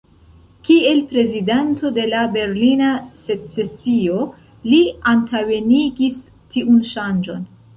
Kiel prezidanto de la "Berlina secesio" li antaŭenigis tiun ŝanĝon.